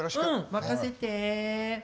任せて。